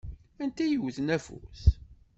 Anta i yewwten afus?